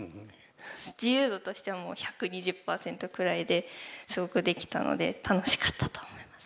自由度としてはもう１２０％くらいですごくできたので楽しかったと思います。